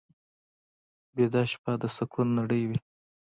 ویده شپه د سکوت نړۍ وي